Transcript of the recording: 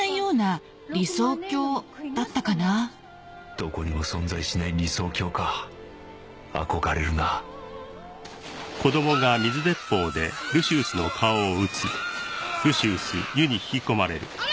どこにも存在しない理想郷か憧れるなううおっうわっ！